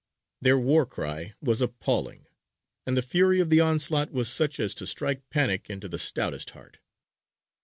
Their war cry was appalling; and the fury of the onslaught was such as to strike panic into the stoutest heart.